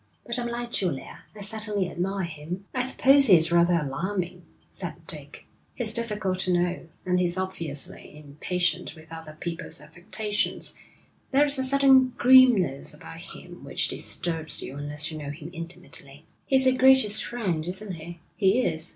But I'm like Julia, I certainly admire him.' 'I suppose he is rather alarming,' said Dick. 'He's difficult to know, and he's obviously impatient with other people's affectations. There's a certain grimness about him which disturbs you unless you know him intimately.' 'He's your greatest friend, isn't he?' 'He is.'